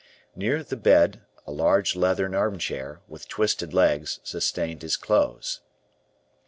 Near the bed a large leathern armchair, with twisted legs, sustained his clothes.